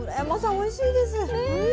おいしいです。ね。